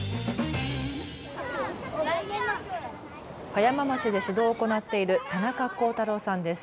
葉山町で指導を行っている田中幸太郎さんです。